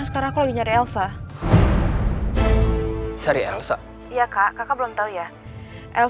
nanti nyantai kesala k onder